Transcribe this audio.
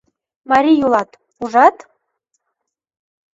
— Марий улат, ужат?